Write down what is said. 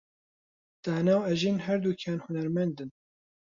دانا و ئەژین هەردووکیان هونەرمەندن.